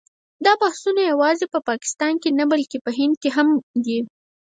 دا بحثونه یوازې په پاکستان کې نه بلکې په هند کې هم دي.